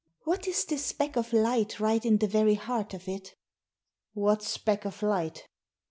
" What is this speck of light right in the very heart of it ?" "What speck of light?'